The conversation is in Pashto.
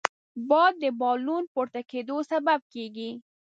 باد د بالون پورته کېدو سبب کېږي